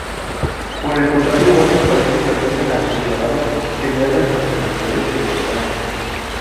Por el contrario, otros países permiten a sus ciudadanos tener las nacionalidades que posean.